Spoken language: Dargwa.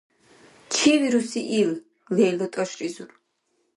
— Чи вируси ил? — Лейла тӀашризур.